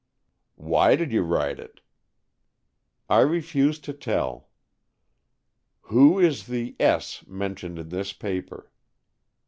"Why did you write it?" "I refuse to tell." "Who is the S. mentioned on this paper?"